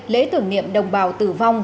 lễ tưởng niệm đồng bào tử vong